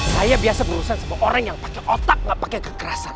saya biasa berurusan semua orang yang pakai otak gak pakai kekerasan